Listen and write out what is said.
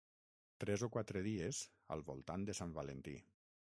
Tres o quatre dies, al voltant de Sant Valentí.